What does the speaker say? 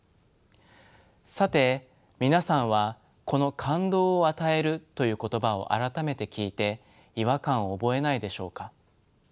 さて皆さんはこの「感動を与える」という言葉を改めて聞いて違和感を覚えないでしょうか。